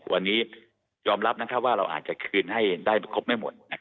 วันนี้ยอมรับว่าเราอาจจะคืนให้ได้ครบไม่หมด